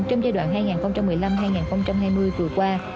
trong giai đoạn hai nghìn một mươi năm hai nghìn hai mươi vừa qua